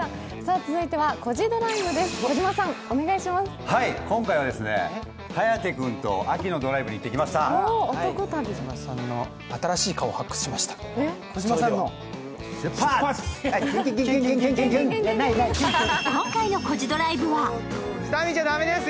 続いては「コジドライブ」です。